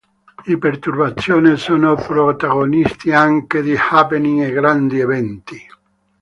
I Perturbazione sono protagonisti anche di happening e grandi eventi.